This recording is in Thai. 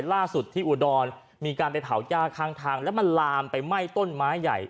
ล่าสุดที่อุดรมีการไปเผาย่าข้างทางแล้วมันลามไปไหม้ต้นไม้ใหญ่